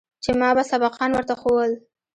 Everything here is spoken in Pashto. چې ما به سبقان ورته ښوول.